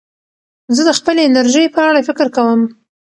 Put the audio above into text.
زه د خپلې انرژۍ په اړه فکر کوم.